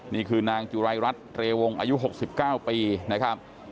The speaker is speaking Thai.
นี่คือนางจุรายรัฐเรวงอายุ๖๙ปีนะครับ